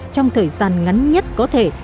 trong thời gian ngắn nhất có thể